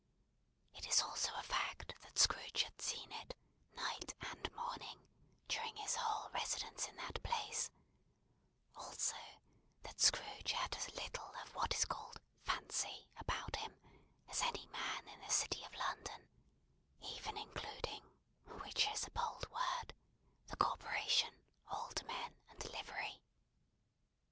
It is also a fact, that Scrooge had seen it, night and morning, during his whole residence in that place; also that Scrooge had as little of what is called fancy about him as any man in the city of London, even including which is a bold word the corporation, aldermen, and livery.